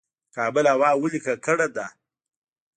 د کابل هوا ولې ککړه ده؟